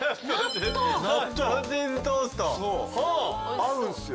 合うんですよ。